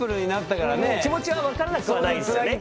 気持ちは分からなくはないですよね。